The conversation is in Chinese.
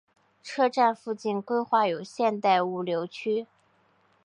车站附近规划有现代物流区。